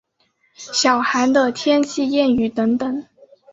小寒的天气谚语等等。